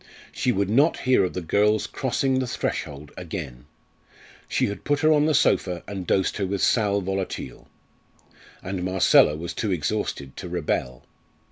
She would not hear of the girl's crossing the threshold again; she had put her on the sofa and dosed her with sal volatile. And Marcella was too exhausted to rebel.